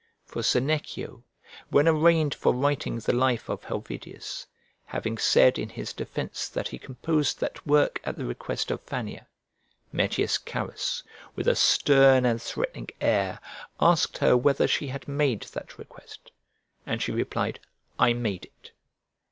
For Senecio, when arraigned for writing the life of Helvidius, having said in his defence that he composed that work at the request of Fannia, Metius Carus, with a stern and threatening air, asked her whether she had made that request, and she replied, "I made it."